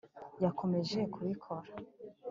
yakomeje kubikora